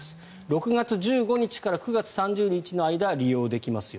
６月１５日から９月３０日の間利用できますよ。